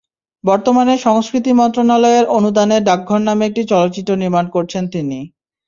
বর্তমানে সংস্কৃতি মন্ত্রণালয়ের অনুদানে ডাকঘর নামে একটি চলচ্চিত্র নির্মাণ করছেন তিনি।